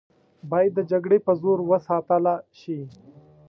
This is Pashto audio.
باید د جګړې په زور وساتله شي.